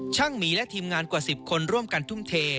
หมีและทีมงานกว่า๑๐คนร่วมกันทุ่มเท